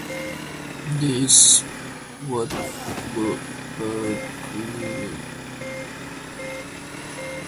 This film was both a critical and commercial disappointment.